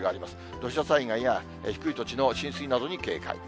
土砂災害や低い土地の浸水などに警戒。